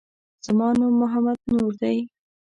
زما نوم محمد نور دی